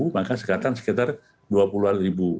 maka sekarang sekitar dua puluh an ribu